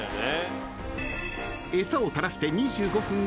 ［餌を垂らして］